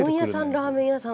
ラーメン屋さん